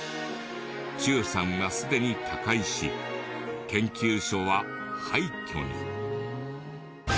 忠さんはすでに他界し研究所は廃墟に。